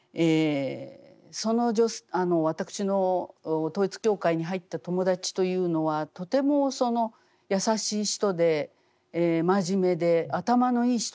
その私の統一教会に入った友達というのはとてもやさしい人で真面目で頭のいい人でした。